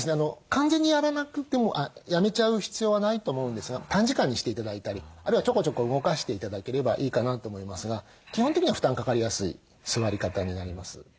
完全にやめちゃう必要はないと思うんですが短時間にして頂いたりあるいはちょこちょこ動かして頂ければいいかなと思いますが基本的には負担かかりやすい座り方になります。